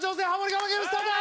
我慢ゲームスタート！